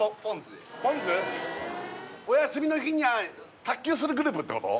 お休みの日に卓球するグループってこと？